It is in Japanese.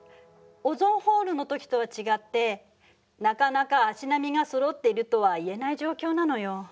オゾンホールの時とは違ってなかなか足並みがそろっているとは言えない状況なのよ。